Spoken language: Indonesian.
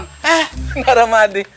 eh nara madi